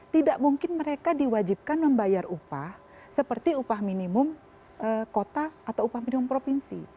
tidak mungkin mereka diwajibkan membayar upah seperti upah minimum kota atau upah minimum provinsi